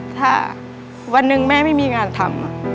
ถ้าวันหนึ่งแม่ไม่มีงานทำ